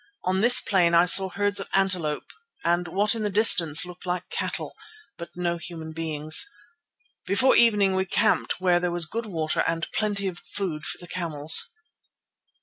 On this plain I saw herds of antelopes and what in the distance looked like cattle, but no human being. Before evening we camped where there was good water and plenty of food for the camels.